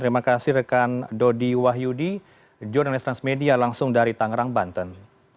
terima kasih rekan dodi wahyudi jurnalis transmedia langsung dari tangerang banten